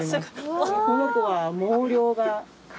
この子は毛量がかなり。